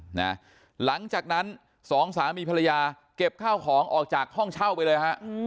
หลังจากนั้นสองสามีภรรยาเก็บข้าวของออกจากห้องเช่าไปเลยฮะ